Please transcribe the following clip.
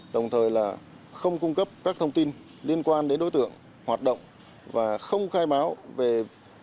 đồng thời là không cung cấp các thông tin liên quan đến đối tượng hoạt động và không khai báo về những địa điểm